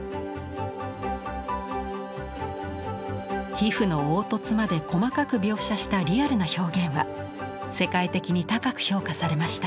皮膚の凹凸まで細かく描写したリアルな表現は世界的に高く評価されました。